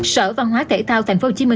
sở văn hóa thể thao tp hcm